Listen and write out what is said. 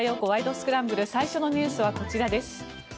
スクランブル」最初のニュースはこちらです。